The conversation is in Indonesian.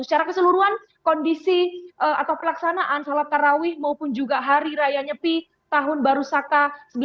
secara keseluruhan kondisi atau pelaksanaan salat karawih maupun juga hari raya nyepi tahun baru saka seribu sembilan ratus empat puluh